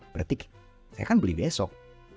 berarti saya kan beli besok